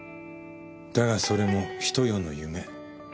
だがそれも一夜の夢。